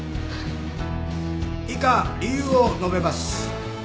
以下理由を述べます。